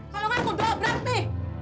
kalau gak aku drop berarti